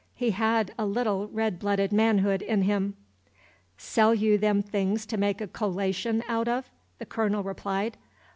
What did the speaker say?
He had a little red blooded manhood in him. "Sell you them things to make a colation out of?" the Colonel replied.